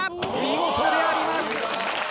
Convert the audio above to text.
見事であります！